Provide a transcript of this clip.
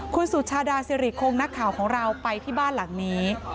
คุณสุชาดาสิริคงนักข่าวของเราไปที่บ้านหลังนี้